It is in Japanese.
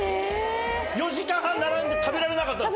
４時間半並んで食べられなかったんですか？